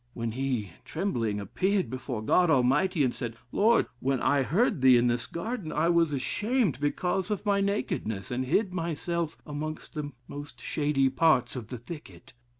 When he, trembling, appeared before God Almighty, and said, Lord, when I heard thee in this garden, I was ashamed because of my nakedness, and hid myself amongst the most shady parts of the thicket.